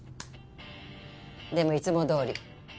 でもいつもどおり